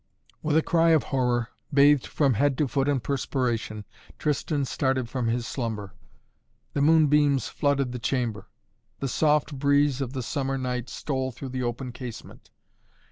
With a cry of horror, bathed from head to foot in perspiration, Tristan started from his slumber. The moonbeams flooded the chamber. The soft breeze of the summer night stole through the open casement.